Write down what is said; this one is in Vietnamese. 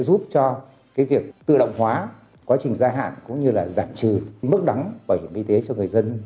giúp cho việc tự động hóa quá trình gia hạn cũng như là giảm trừ mức đóng bảo hiểm y tế cho người dân